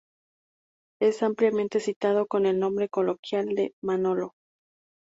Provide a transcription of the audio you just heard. Es ampliamente citado con el nombre coloquial de Manolo.